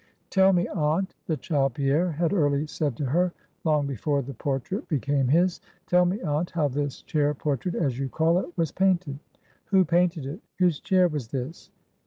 "Tell me, aunt," the child Pierre had early said to her, long before the portrait became his "tell me, aunt, how this chair portrait, as you call it, was painted; who painted it? whose chair was this?